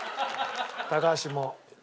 高橋もう。